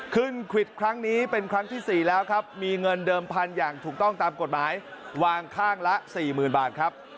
ควิดครั้งนี้เป็นครั้งที่๔แล้วครับมีเงินเดิมพันธุ์อย่างถูกต้องตามกฎหมายวางข้างละ๔๐๐๐บาทครับ